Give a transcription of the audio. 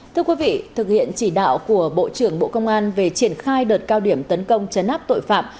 thưa quý vị thực hiện chỉ đạo của bộ trưởng bộ công an về triển khai đợt cao điểm tấn công chấn áp tội phạm